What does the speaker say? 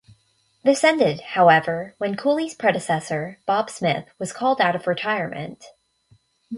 This ended, however, when Cooley's predecessor, Bob Smith, was called out of retirement.